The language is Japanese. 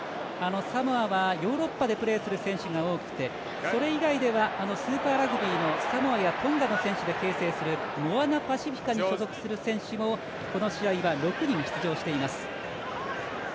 サモアはヨーロッパでプレーする選手が多くてそれ以外ではスーパーラグビーのサモアやトンガの選手で形成するモアナパシフィカに所属する選手もこの試合は６人出場しています。